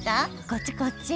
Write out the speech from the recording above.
こっちこっち！